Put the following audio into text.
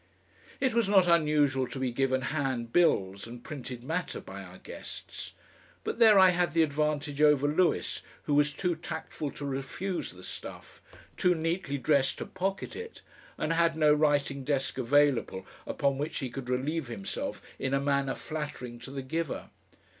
It was not unusual to be given hand bills and printed matter by our guests, but there I had the advantage over Lewis, who was too tactful to refuse the stuff, too neatly dressed to pocket it, and had no writing desk available upon which he could relieve himself in a manner flattering to the giver.